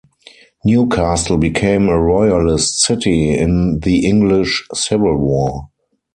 Newcastle became a royalist city in the English civil war.